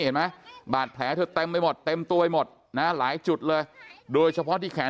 เมื่อบาทแผลเมือบ่นตัวไปหมดนะหลายจุดเลยโดยเฉพาะที่แขน